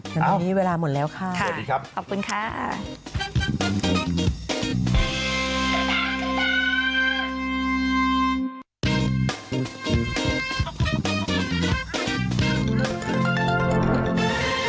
ตอนนี้เวลาหมดแล้วค่ะขอบคุณค่ะสวัสดีครับ